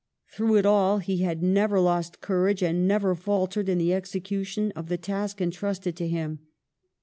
Through it all, he had never lost courage and never faltered in the execution of the task entrusted to him.